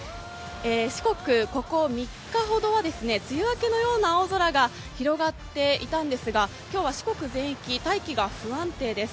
四国、ここ３日ほどは梅雨明けのような青空が広がっていたんですが今日は四国全域、大気が不安定です。